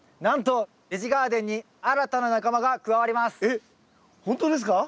なんとえっ本当ですか？